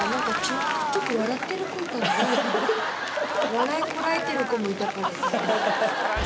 笑いこらえてる子もいたからさ。